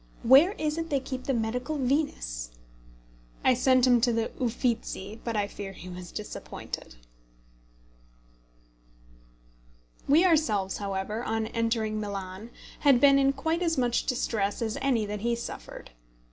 Where is it they keep the Medical Venus?" I sent him to the Uffizzi, but I fear he was disappointed. We ourselves, however, on entering Milan had been in quite as much distress as any that he suffered.